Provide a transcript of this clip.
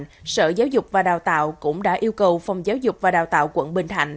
tuy nhiên sở giáo dục và đào tạo cũng đã yêu cầu phòng giáo dục và đào tạo quận bình thạnh